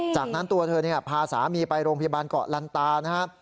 จากนั้นตัวเธอพาสามีไปโรงพยาบาลเกาะลันตานะครับ